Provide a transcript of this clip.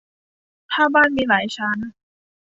ถ้าบ้านมีหลายชั้น